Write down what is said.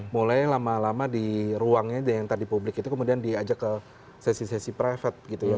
mulai lama lama di ruangnya yang tadi publik itu kemudian diajak ke sesi sesi private gitu ya